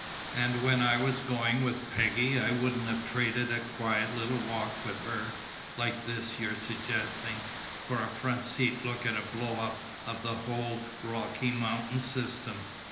"And when I was going with Peggy I wouldn't have traded a quiet little walk with her like this you're suggesting for a front seat look at a blow up of the whole Rocky Mountain system!"